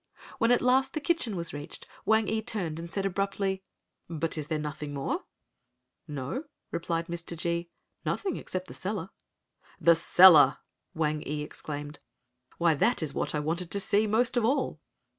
When at last the kitchen was reached Wang ee turned and said abruptly, "but is there nothing more?" "No," replied Mr. G——, "nothing except the cellar." "The cellar!" Wang ee exclaimed, "why that is what I wanted to see most of all."